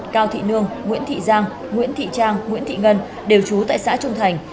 cao thị nương nguyễn thị giang nguyễn thị trang nguyễn thị ngân đều trú tại xã trung thành